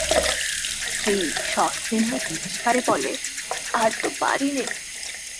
স্ত্রী সস্নেহ তিরস্কারে বলে, আর তো পারি নে।